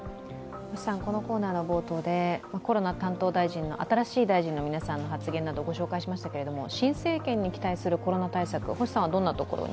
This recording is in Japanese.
このコーナーの冒頭でコロナ担当大臣の新しい大臣の皆さんの発言などご紹介しましたけれども新政権に期待するコロナ対策、どんなところに？